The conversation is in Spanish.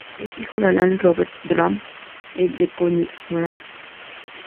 Es hijo de Alan Robert Graham et de Connie Graham.